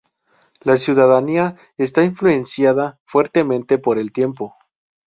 La ciudadanía está influenciada fuertemente por el tiempo.